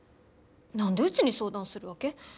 何でうちに相談するわけ？